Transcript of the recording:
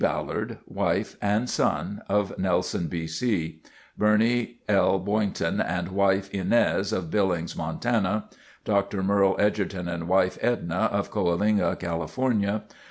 Ballard, wife, and son of Nelson, B. C. Bernie L. Boynton and wife, Inez, of Billings, Montana. Dr. Merle Edgerton and wife, Edna, of Coalinga, California.